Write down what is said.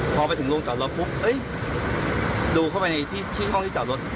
พอไปถึงโรงจอดรถปุ๊บดูเข้าไปในที่ห้องที่จอดรถ